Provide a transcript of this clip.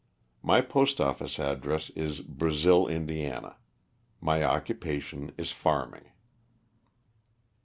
Mypostoffice address is Brazil, Ind. My occupation is farming.